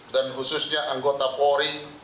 dan khususnya anggota pori